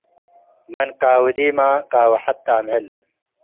ምን ቃዊ ዲመ፡ ቃዊ ሐቴ አምዕል።